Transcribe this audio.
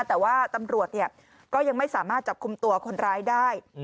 แต่ว่าตำรวจก็ยังไม่สามารถจับคุมตัวคนร้ายได้